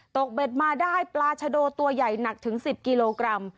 เบ็ดมาได้ปลาชะโดตัวใหญ่หนักถึง๑๐กิโลกรัม